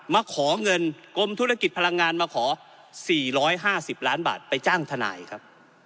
มาขอเงินกรมธุรกิจพลังงานมาขอ๔๕๐ล้านบาทไปจ้างทนายครับ